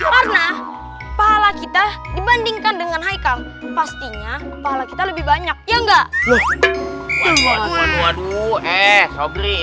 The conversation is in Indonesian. karena pahala kita dibandingkan dengan haikal pastinya pahala kita lebih banyak ya enggak